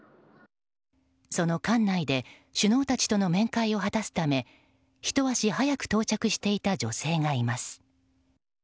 その館内で首脳たちとの面会を果たすためひと足早く到着していた女性がいます。